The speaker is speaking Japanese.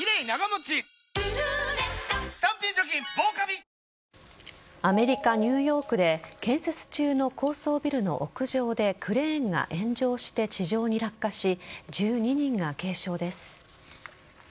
７０年に合わせてアメリカ・ニューヨークで建設中の高層ビルの屋上でクレーンが炎上して地上に落下し１２人が軽傷です。